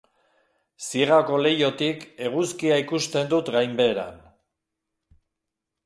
Ziegako leihotik eguzkia ikusten dut gainbeheran.